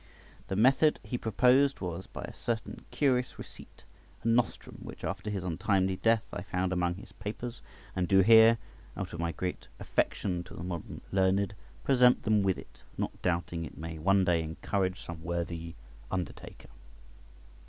The method he proposed was by a certain curious receipt, a nostrum, which after his untimely death I found among his papers, and do here, out of my great affection to the modern learned, present them with it, not doubting it may one day encourage some worthy undertaker.